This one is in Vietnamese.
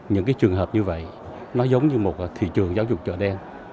những cái trường hợp như vậy nó giống như một thị trường giáo dục chợ đen